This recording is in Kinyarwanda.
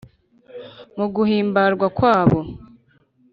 mu guhimbarwa kwabo